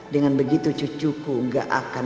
dengan begitu cucuku gak akan